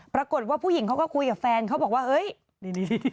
ปรากฏว่าผู้หญิงเขาก็คุยกับแฟนเขาบอกว่าเฮ้ยนี่